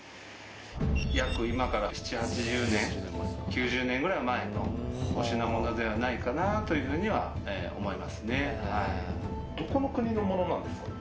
「約今から７０８０年９０年ぐらい前のお品物ではないかなというふうには思いますね」